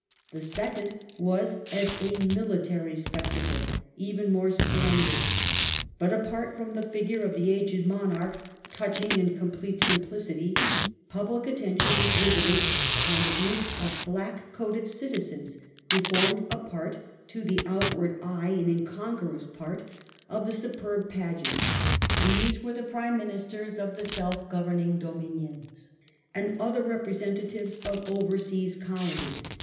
The second was, as a military spec tacle, even more splendid, but apart from the figure of the aged monarch, touching in complete simplicity, public attention was riveted upon a gioup of black coated citizens who formed a part — to the outward eye an incongruous part — of the superb pageant. These were the Prime Ministei s of the self governing Dominions, and other representatives of over sea Colonies.